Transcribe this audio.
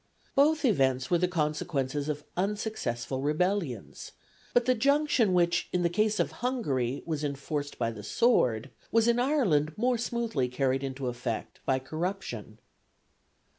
Both events were the consequences of unsuccessful rebellions; but the junction which, in the case of Hungary, was enforced by the sword, was in Ireland more smoothly carried into effect by corruption.